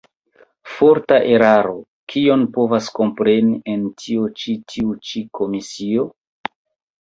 Forta eraro: kion povas kompreni en tio ĉi tiu ĉi komisio?